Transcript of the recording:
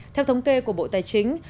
theo thống kê của bộ tài chính